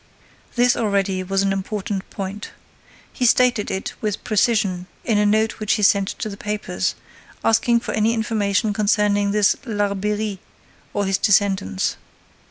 This already was an important point. He stated it with precision in a note which he sent to the papers, asking for any information concerning this Larbeyrie or his descendants.